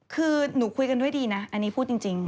คือหนูคุยกันด้วยดีนะอันนี้พูดจริง